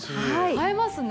映えますよね。